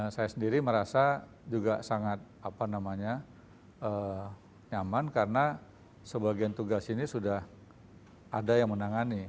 saya sendiri merasa juga sangat nyaman karena sebagian tugas ini sudah ada yang menangani